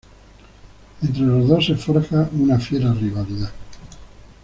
Entre los dos se forja una fiera rivalidad.